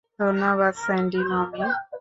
ধন্যবাদ Sandy - mummy?